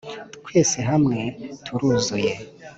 twese hamwe turuzuye.